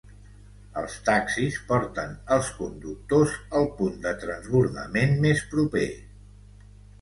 Els taxis porten els conductors al punt de transbordament més proper.